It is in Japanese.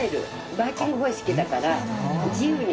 バイキング方式だから自由に。